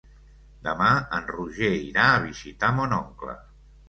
Demà en Roger irà a visitar mon oncle.